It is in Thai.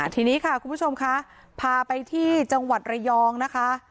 ทีนี้ค่ะคุณผู้ชมค่ะพาไปที่จังหวัดระยองนะคะ